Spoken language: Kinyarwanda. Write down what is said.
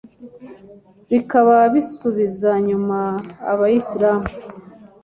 bikaba bisubiza inyuma Abayislamu